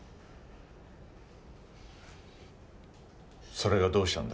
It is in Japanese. それがどうしたんだ？